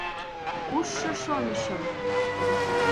Кушшо, шонышым.